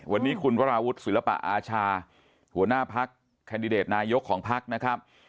วันนี้คุณวรราวุฒิศิลปะอาชาหัวหน้าปรักษ์แคนดิเดตนายศพรรภ์ของพรรคนะครับ